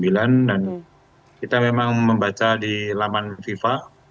dan kita memang membaca di laman fifa